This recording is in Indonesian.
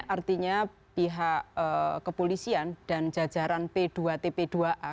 artinya pihak kepolisian dan jajaran p dua tp dua a